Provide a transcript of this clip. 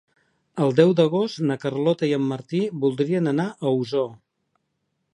El deu d'agost na Carlota i en Martí voldrien anar a Osor.